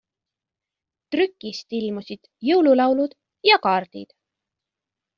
Trükist ilmusid jõululaulud ja -kaardid.